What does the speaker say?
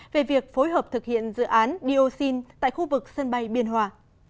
về việc phối hợp thực hiện dự án dioxin tại khu vực sân bay biên hòa